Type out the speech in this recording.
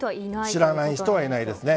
知らない人はいないですね。